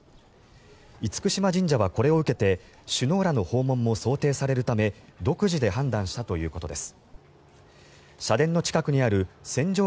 厳島神社はこれを受けて首脳らの訪問も想定されるため独自で判断したということです。